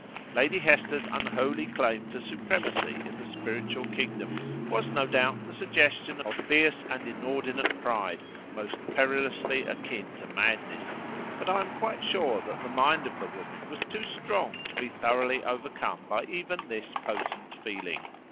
Lady Hester's unholy claim to supremacy in the spiritual kingdom was, no doubt, the suggestion of fierce and inordinate pride most perilously akin to madness, but I am quite sure that the mind of the woman was too strong to be thoroughly overcome by even this potent feeling.